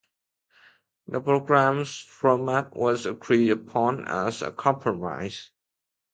The programme's format was agreed upon as a compromise.